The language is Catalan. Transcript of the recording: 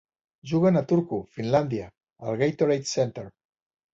Juguen a Turku, Finlàndia, al Gatorade Center.